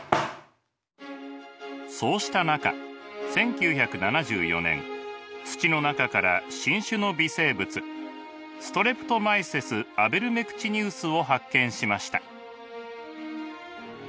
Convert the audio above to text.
そうした中１９７４年土の中から新種の微生物ストレプトマイセス・アベルメクチニウスを発見しました。